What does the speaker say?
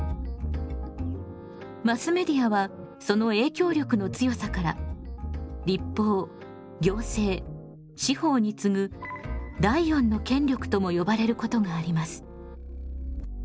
マスメディアはその影響力の強さから立法行政司法につぐ第四の権力とも呼ばれることがあります。